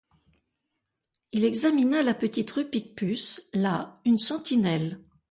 Il examina la petite rue Picpus; là, une sentinelle.